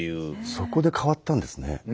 そこで変わったんですね。